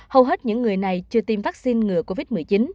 hầu hết những người này chưa tiêm vaccine ngừa covid một mươi chín